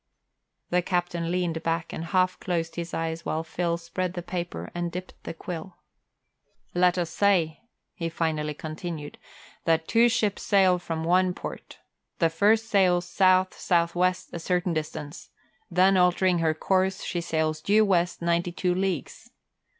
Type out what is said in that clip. The captain leaned back and half closed his eyes while Phil spread the paper and dipped the quill. "Let us say," he finally continued, "that two ships sail from one port. The first sails south south west a certain distance; then altering her course, she sails due west ninety two leagues.